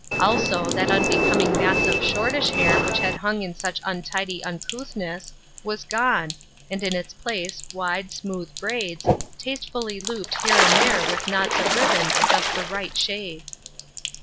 Also, that unbecoming mass of shortish hair whiC/h had hung in such untidy uncouthness, was gone, and in its place wide, smooth braids, tastefully looped here and there with knots of ribbon of just the right shade.